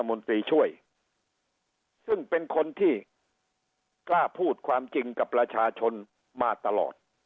มนตรีช่วยซึ่งเป็นคนที่กล้าพูดความจริงกับประชาชนมาตลอด